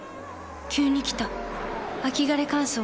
急に来た秋枯れ乾燥。